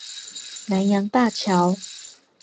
南陽大橋